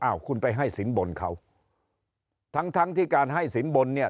อ้าวคุณไปให้ศิลป์บนเขาทั้งที่การให้ศิลป์บนเนี่ย